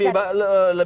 jadi kalau tidak itu